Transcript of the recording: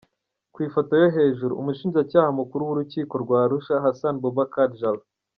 Ku ifoto yo hejuru:Umushinjacyaha Mukuru w’Urukiko rwa Arusha, Hassan Bubacar Jallow.